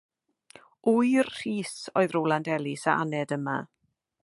Ŵyr Rhys oedd Rowland Ellis a aned yma.